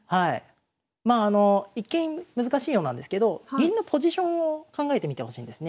まああの一見難しいようなんですけど銀のポジションを考えてみてほしいんですね。